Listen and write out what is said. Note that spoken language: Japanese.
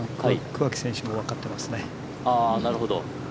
桑木選手もわかってますね。